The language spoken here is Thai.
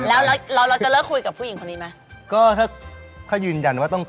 อันนี้เหลือมันออกเท้าด้วย